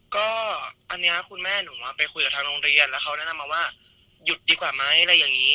ก็อันนี้คุณแม่หนูไปคุยกับทางโรงเรียนแล้วเขาแนะนำมาว่าหยุดดีกว่าไหมอะไรอย่างนี้